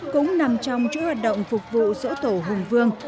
cũng nằm trong chỗ hoạt động phục vụ dỗ tổ hùng vương